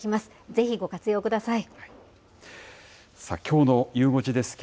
ぜひ、ご活用ください。